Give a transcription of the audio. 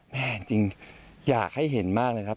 จริงอยากให้เห็นมากเลยครับ